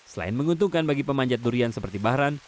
selain menguntungkan bagi pemanjat durian seperti bahran